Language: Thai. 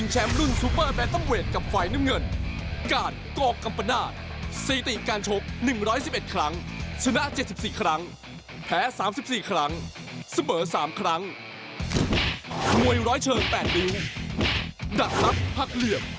หนักรับพักเหลี่ยบ